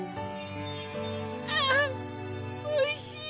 ああおいしい。